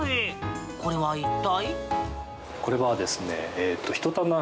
これは一体？